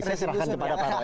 saya serahkan kepada pak ahok